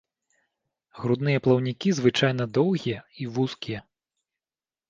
Грудныя плаўнікі звычайна доўгія і вузкія.